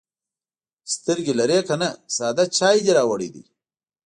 _سترګې لرې که نه، ساده چای دې راوړی دی.